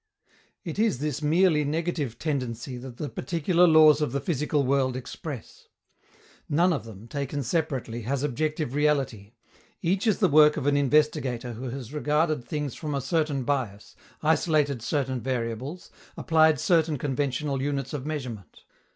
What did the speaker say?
It is this merely negative tendency that the particular laws of the physical world express. None of them, taken separately, has objective reality; each is the work of an investigator who has regarded things from a certain bias, isolated certain variables, applied certain conventional units of measurement.